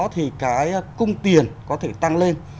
thì cái cung tiền có thể tăng lên